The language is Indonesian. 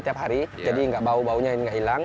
tiap hari jadi bau baunya ini nggak hilang